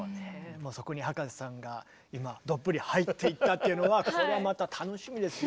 そこに葉加瀬さんが今どっぷり入っていったというのはこれはまた楽しみですよ。